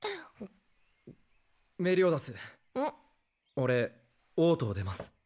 俺王都を出ます。